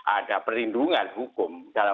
ada perlindungan hukum dalam